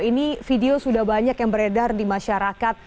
ini video sudah banyak yang beredar di masyarakat